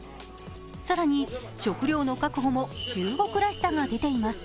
更に食料の確保も中国らしさが出ています。